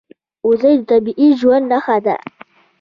وزې د طبیعي ژوند نښه ده